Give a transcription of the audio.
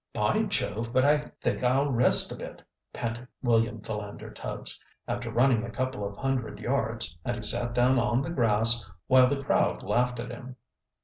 "By Jove, but I think I'll rest a bit!" panted William Philander Tubbs, after running a couple of hundred yards, and he sat down on the grass, while the crowd laughed at him.